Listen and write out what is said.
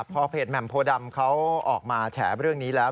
พอเพจแหม่มโพดำเขาออกมาแฉเรื่องนี้แล้ว